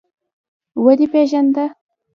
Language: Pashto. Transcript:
ودې پېژانده.